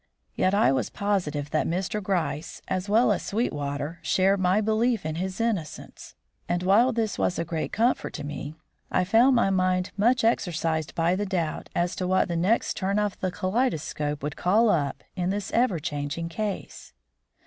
Yet I was positive that Mr. Gryce as well as Sweetwater shared my belief in his innocence; and while this was a comfort to me, I found my mind much exercised by the doubt as to what the next turn of the kaleidoscope would call up in this ever changing case.